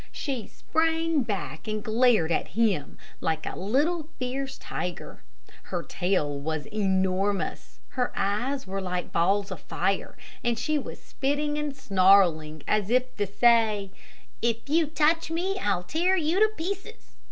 She sprang back and glared at him like a little, fierce tiger. Her tail was enormous. Her eyes were like balls of fire, and she was spitting and snarling, as if to say, "If you touch me, I'll tear you to pieces!"